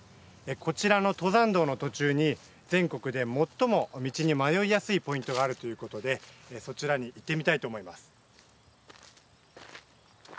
こちらの登山道の途中に全国で最も道に迷いやすいポイントがあるということで、そちらに行ってみたいと思います。